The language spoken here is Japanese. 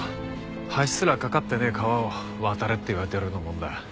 橋すら架かってねえ川を渡れって言われてるようなもんだ。